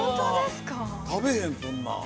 食べへん、そんなん。